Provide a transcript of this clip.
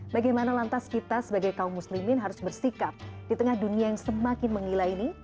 bagaimana lantas kita sebagai kaum muslimin harus bersikap di tengah dunia yang semakin menggila ini